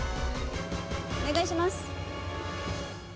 お願いします。